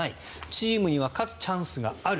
チームには勝つチャンスがある。